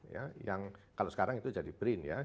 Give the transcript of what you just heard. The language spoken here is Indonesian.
ya yang kalau sekarang itu jadi brin ya